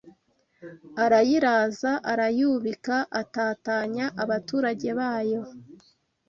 Arayiraza arayubika atatanya abaturage bayo